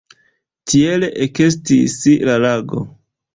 Tiel ekestis la lago.